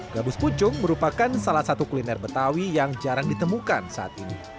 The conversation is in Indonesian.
gabus pucung merupakan salah satu kuliner betawi yang jarang ditemukan saat ini